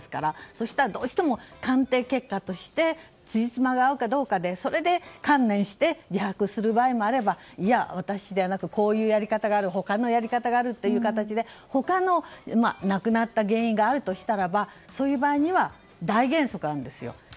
そうしたら、どうしても鑑定結果としてつじつまが合うかどうかで観念して自白する場合もあればいや、私じゃなくてこういうやり方がある他のやり方があるという形で他のなくなった原因があるとしたらばそういう場合には大原則があるんですよ。